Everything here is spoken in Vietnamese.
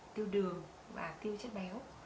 tiêu đường và tiêu chất béo